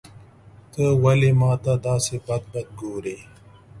ته ولي ماته داسي بد بد ګورې.